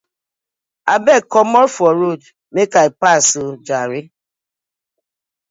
Abeg komot for road mek I pass oh jare.